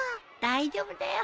大丈夫だよ。